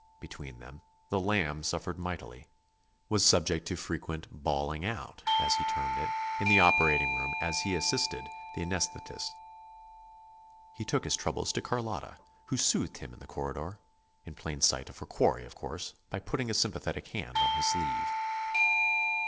Between them, the Lamb suffered mightily was subject to frequent "bawling out," as he termed it, in the operating room as he assisted the anaesthetist. He took his troubles to Carlotta, who soothed him in the corridor in plain sight of her quarry, of course by putting a sympathetic hand on his sleeve.